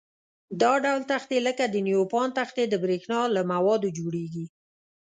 دا ډول تختې لکه د نیوپان تختې د برېښنا له موادو جوړيږي.